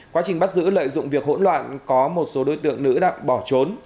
quá trình bắt giữ lợi dụng việc hỗn loạn có một số đối tượng nữ đã bỏ trốn